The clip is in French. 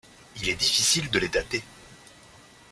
Il est difficile de les dater.